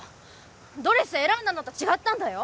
ドレス選んだのと違ったんだよ？